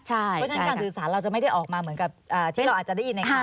เพราะฉะนั้นการสื่อสารเราจะไม่ได้ออกมาเหมือนกับที่เราอาจจะได้ยินในข่าว